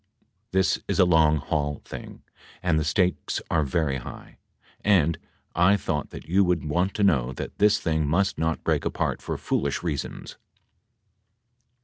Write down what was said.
. this is a long haul thing and the stakes are very high and I thought that you would want to know that this thing must not break apart for foolish reasons